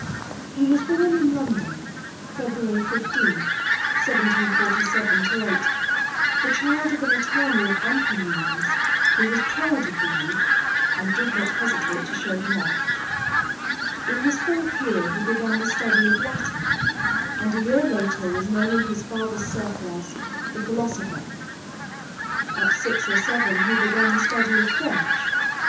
[Illustration: JEREMY BENTHAM] He was born in London, February 15th, 1747 8; the child of an attorney of ample means, who was proud of the youth, and did not hesitate to show him off. In his fourth year he began the study of Latin, and a year later was known in his father's circle as "the philosopher." At six or seven he began the study of French.